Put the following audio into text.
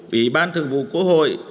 ủy ban thường vụ quốc hội